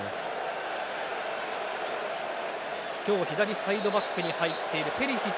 今日左サイドバックに入っているペリシッチ。